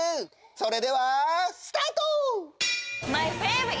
それではスタート！